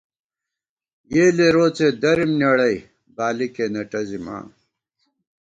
یېلے روڅے دَرِم نېڑَئی، بالِکے نہ ٹَزِم آں